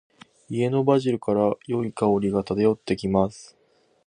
家のバジルから、良い香りが漂ってきます。